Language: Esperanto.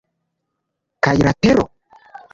Kaj la tero?